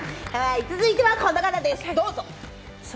続いてはこの方です、どうぞ！